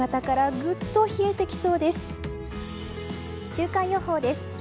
週間予報です。